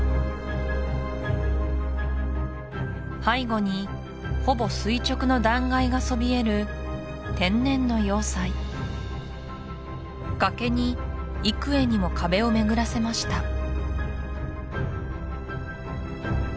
背後にほぼ垂直の断崖がそびえる天然の要塞崖に幾重にも壁を巡らせました